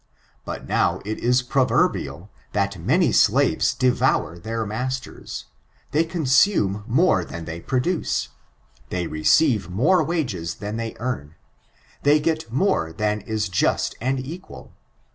But now it is proverbial, that many slaves devour their masters — ^they consume more than they produce — they receive more wages tlian they earn — they get more than is just and equal.